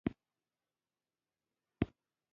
فکري او فرهنګي بستر اهمیت لري.